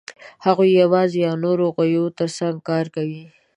هغوی یواځې یا د نورو غویو تر څنګ کار کوي.